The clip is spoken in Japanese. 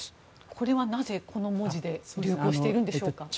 これはなぜこの文字で流行しているんでしょうか。